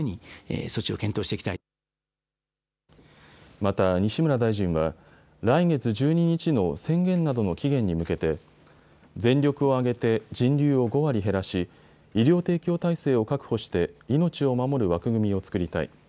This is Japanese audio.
また、西村大臣は来月１２日の宣言などの期限に向けて全力を挙げて人流を５割減らし医療提供体制を確保して命を守る枠組みを作りたい。